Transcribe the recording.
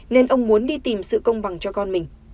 nên ông muốn đi tìm sự công bằng cho con mình